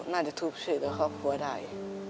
น่าจะถูกชื่อกับครอบครัวได้